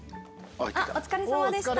お疲れさまでした。